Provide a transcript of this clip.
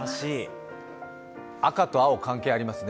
赤と青、関係ありますね。